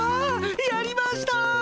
やりました！